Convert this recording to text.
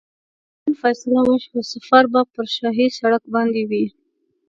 نن فیصله وشوه سفر به پر شاهي سړک باندې وي.